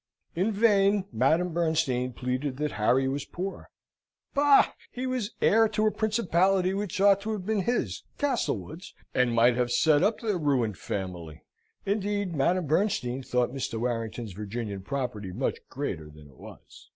In vain Madame Bernstein pleaded that Harry was poor. Bah! he was heir to a principality which ought to have been his, Castlewood's, and might have set up their ruined family. (Indeed Madame Bernstein thought Mr. Warrington's Virginian property much greater than it was.)